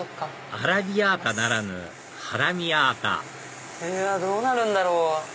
アラビアータならぬハラミアータどうなるんだろう？